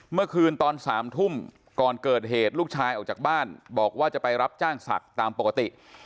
เมื่อคืนตอน๓ทุ่มก่อนเกิดเหตุลูกชายออกจากบ้านบอกว่าจะไปรับจ้างศักดิ์ตามปกติ